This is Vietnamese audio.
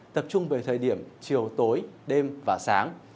tập trung về thời điểm chiều tối đêm và sáng